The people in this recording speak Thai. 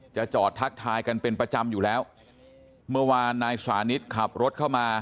จอดทักทายกันเป็นประจำอยู่แล้วเมื่อวานนายสานิทขับรถเข้ามา